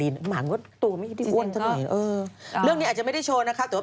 ยังดูไม่ออกปรากฏว่าตอนนี้ค่ะ